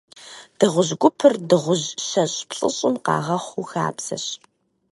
Дыгъужь гупыр дыгъужь щэщӏ-плӏыщӏым къагъэхъу хабзэщ.